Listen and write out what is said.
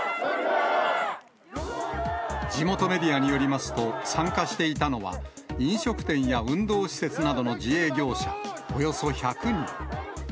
地元メディアによりますと、参加していたのは、飲食店や運動施設などの自営業者およそ１００人。